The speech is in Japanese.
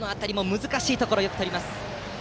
難しいところ、よくとった。